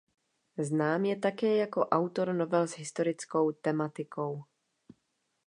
Znám je také jako autor novel s historickou tematikou.